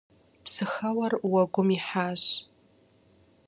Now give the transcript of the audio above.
Псыхэуэр уэгум ихьащ.